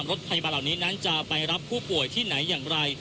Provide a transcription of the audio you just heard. รถพยาบาลเหล่านี้นั้นจะไปรับผู้ป่วยที่ไหนอย่างไร